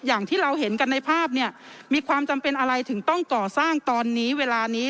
อย่างที่เราเห็นกันในภาพเนี่ยมีความจำเป็นอะไรถึงต้องก่อสร้างตอนนี้เวลานี้